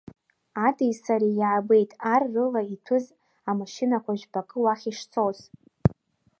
Адеи сареи иаабеит ар рыла иҭәыз амашьынақәа жәпакы уахь ишцоз.